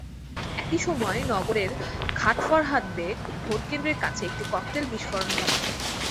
একই সময়ে নগরের ঘাটফরহাদ বেগ ভোটকেন্দ্রের কাছে একটি ককটেল বিস্ফোরণ ঘটে।